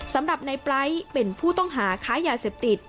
สำหรับในปลายเป็นผู้ต้องหาค้ายาเสพติด